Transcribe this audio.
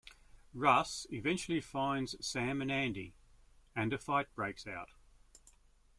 Russ eventually finds Sam and Andy, and a fight breaks out.